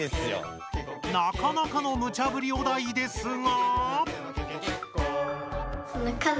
なかなかのムチャブリお題ですが。